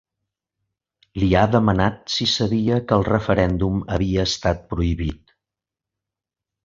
Li ha demanat si sabia que el referèndum havia estat prohibit.